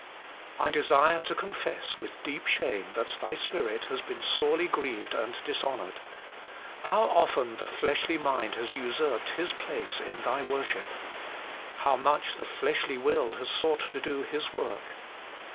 I desire to confess with deep shame that Thy Spirit has been sorely grieved and dishonoured. How often the fleshly mind has usurped His place in Thy worship ! How much the fleshly will has sought to do His work